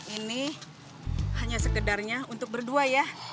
ini hanya sekedarnya untuk berdua ya